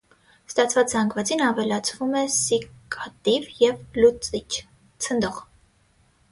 Ստացված զանգվածին ավելացվում է սիկատիվ և լուծիչ (ցնդող)։